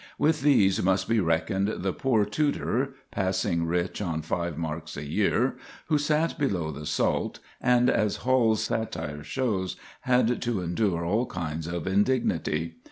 With these must be reckoned the poor tutor, passing rich on five marks a year, who sat below the salt, and, as Hall's satire shows, had to endure all kinds of indignity.